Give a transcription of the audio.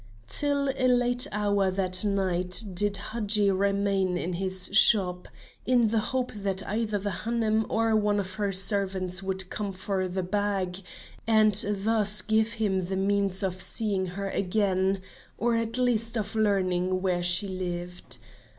Till a late hour that night did Hadji remain in his shop, in the hope that either the Hanoum or one of her servants would come for the bag, and thus give him the means of seeing her again or at least of learning where she lived.